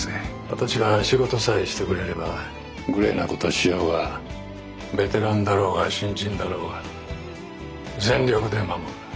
私は仕事さえしてくれればグレーなことをしようがベテランだろうが新人だろうが全力で守る。